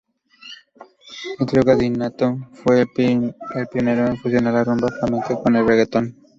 El trío gaditano fue el pionero en fusionar la rumba flamenca con el reggaetón.